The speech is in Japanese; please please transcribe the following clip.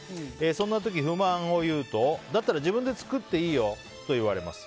そんな時、不満を言うとだったら自分で作っていいよと言われます。